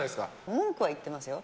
文句は言ってますよ。